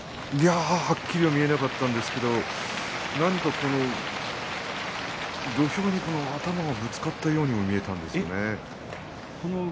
はっきりは見えなかったんですけど何か土俵に頭がぶつかったように見えました。